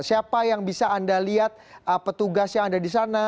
siapa yang bisa anda lihat petugas yang ada di sana